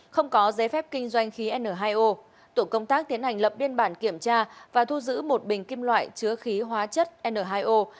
không có giấy phép kinh doanh khí n hai o tổ công tác tiến hành lập biên bản kiểm tra và thu giữ một bình kim loại chứa khí hóa chất n hai o